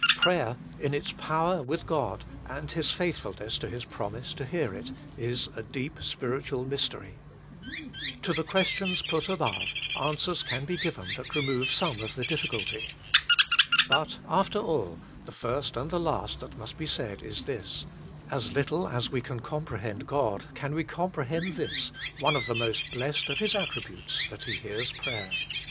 prayer, in its power with God, and His faithfulness to His promise to hear it, is a deep spiritual mystery. To the questions put above answers can be given that remove some of the diffi culty. But, after all, the first and the last that must be said is this : As little as we can compre hend God can we comprehend this, one of the most blessed of His attributes, that He hears prayer.